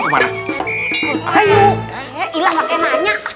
ilah pake nanya